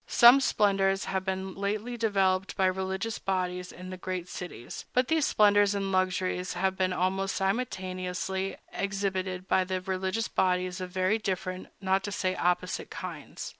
Some splendors have been lately developed by religious bodies in the great cities; but these splendors and luxuries have been almost simultaneously exhibited by religious bodies of very different, not to say opposite, kinds.